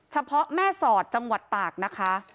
เฉพาะแม่สอดจังหวัดตากนะคะ